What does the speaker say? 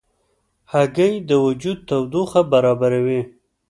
هګۍ د وجود تودوخه برابروي.